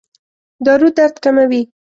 دارو درد کموي؟